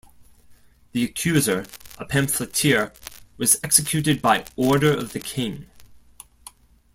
The accuser, a pamphleteer, was executed by order of the King.